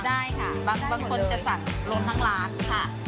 ได้ค่ะบางคนจะสั่งรวมทั้งร้านค่ะ